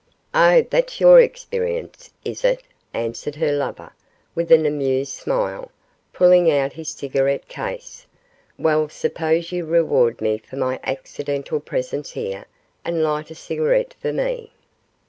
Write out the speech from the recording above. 'Oh, that's your experience, is it?' answered her lover, with an amused smile, pulling out his cigarette case. 'Well, suppose you reward me for my accidental presence here, and light a cigarette for me.